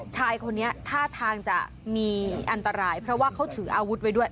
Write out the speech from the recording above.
ชายคนนี้ท่าทางจะมีอันตรายเพราะว่าเขาถืออาวุธไว้ด้วย